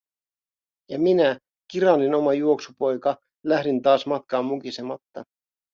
Ja minä, Kiranin oma juoksupoika, lähdin taas matkaan mukisematta.